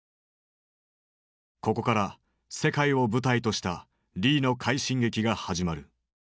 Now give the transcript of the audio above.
ここから世界を舞台としたリーの快進撃が始まる。